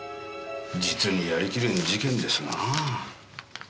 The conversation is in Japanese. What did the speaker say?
実にやり切れん事件ですなぁ。